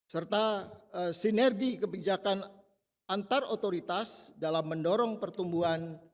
serta sinergi kebijakan antarotoritas dalam mendorong pertumbuhan